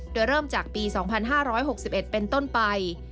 โดยเริ่มจากปี๒๕๖๑เป็นต้นไป